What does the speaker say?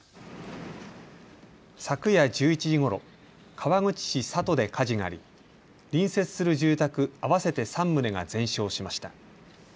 昨夜１１時ごろ、川口市里で火事があり隣接する住宅合わせて３棟が全焼しました。